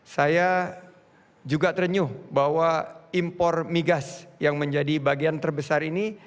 saya juga terenyuh bahwa impor migas yang menjadi bagian terbesar ini